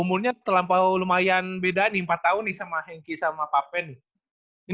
umurnya terlampau lumayan beda nih empat tahun nih sama henki sama papen nih